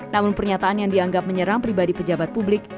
namun pernyataan yang dianggap menyerang pribadi pejabat publik